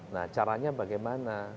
nah caranya bagaimana